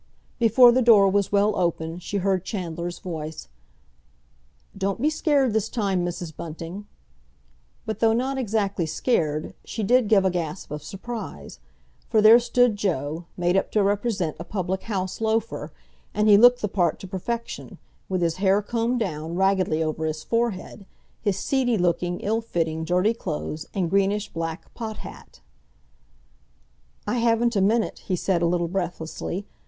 Before the door was well open, she heard Chandler's voice. "Don't be scared this time, Mrs. Bunting!" But though not exactly scared, she did give a gasp of surprise. For there stood Joe, made up to represent a public house loafer; and he looked the part to perfection, with his hair combed down raggedly over his forehead, his seedy looking, ill fitting, dirty clothes, and greenish black pot hat. "I haven't a minute," he said a little breathlessly.